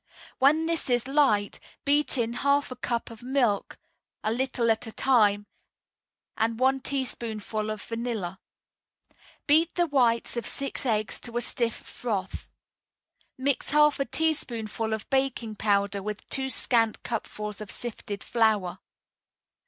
When this is light, beat in half a cupful of milk, a little at a time, and one teaspoonful of vanilla. Beat the whites of six eggs to a stiff froth. Mix half a teaspoonful of baking powder with two scant cupfuls of sifted flour.